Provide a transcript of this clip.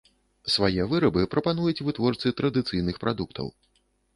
Свае вырабы прапануюць вытворцы традыцыйных прадуктаў.